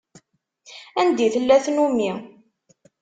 Anda i tella tnumi.